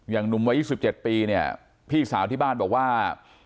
อย่างหนุ่มวัยสิบเจ็ดปีเนี่ยพี่สาวที่บ้านบอกว่า